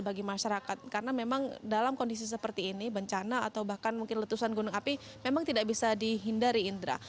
jadi masyarakat karena memang dalam kondisi seperti ini bencana atau bahkan mungkin letusan gunung api memang tidak bisa dihindari indra